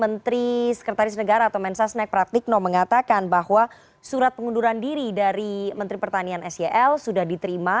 menteri sekretaris negara atau mensasnek pratikno mengatakan bahwa surat pengunduran diri dari menteri pertanian sel sudah diterima